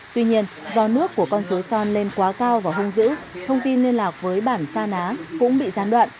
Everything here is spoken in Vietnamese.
tuy nhiên do nước của con suối son lên quá cao và hung dữ thông tin liên lạc với bản sa ná cũng bị gián đoạn